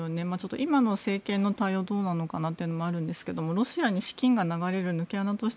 今の政権の対応がどうなのかなというのもあるんですけどロシアに資金が流れる抜け穴として